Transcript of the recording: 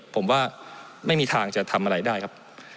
ผมว่าไม่มีทางจะทำอะไรได้ครับ